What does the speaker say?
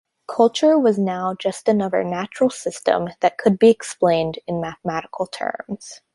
Culture was now just another natural system that could be explained in mathematical terms.